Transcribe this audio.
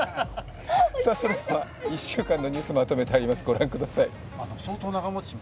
それでは１週間のニュースをまとめてあります、ご覧ください。